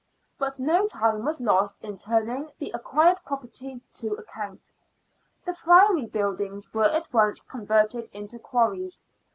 But no time was lost in turning the acquired property to account. The Friary buildings were at once converted into quarries.